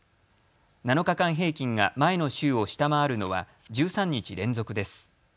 ７日間平均が前の週を下回るのは１３日連続です。